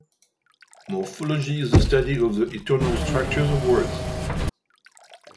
Morphology is the study of the internal structure of words.